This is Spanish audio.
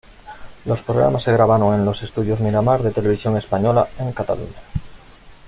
Los programas se grabaron en los Estudios Miramar de Televisión Española en Cataluña.